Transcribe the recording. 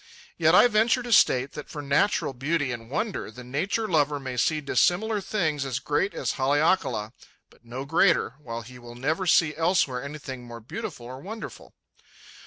Yet I venture to state that for natural beauty and wonder the nature lover may see dissimilar things as great as Haleakala, but no greater, while he will never see elsewhere anything more beautiful or wonderful.